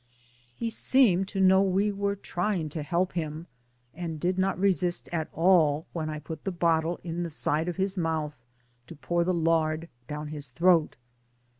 He seemed to know we were trying to help him, and did not resist at all when I put the bottle in the side of his mouth to pour the lard down his throat.